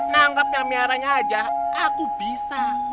nangkepnya miaranya aja aku bisa